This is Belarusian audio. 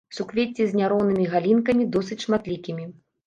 Суквецці з няроўнымі галінкамі, досыць шматлікімі.